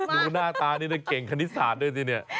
ดูหน้าตานี่นะเก่งคณิตศาสตร์ด้วยสิเนี่ย